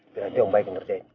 berarti om baik ngerjain